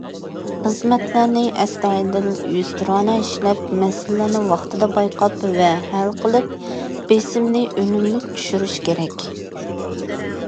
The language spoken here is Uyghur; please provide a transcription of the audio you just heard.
خىزمەتلەرنى ئەستايىدىل، يۈزتۇرا ئىشلەپ، مەسىلىلەرنى ۋاقتىدا بايقاپ ۋە ھەل قىلىپ، بېسىمنى ئۈنۈملۈك چۈشۈرۈش كېرەك.